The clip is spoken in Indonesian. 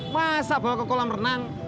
masa bawa ke kolam renang